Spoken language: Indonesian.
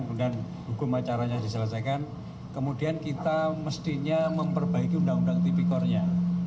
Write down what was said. kemudian hukum acaranya diselesaikan kemudian kita mestinya memperbaiki undang undang tipikornya